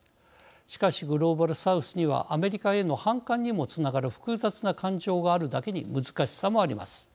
しかし、グローバルサウスにはアメリカへの反感にもつながる複雑な感情があるだけに難しさもあります。